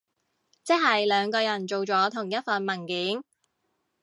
即係兩個人做咗同一份文件？